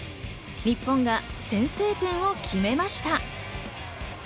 日本が先制点を決めました。